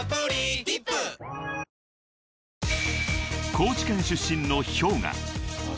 ［高知県出身のＨｙＯｇＡ］